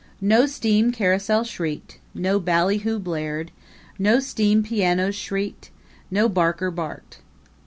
No steam carousel shrieked, no ballyhoo blared, no steam pianos shrieked, no barker barked.